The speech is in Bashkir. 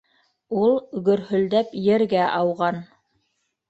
Ул гөрһөлдәп ергә ауған.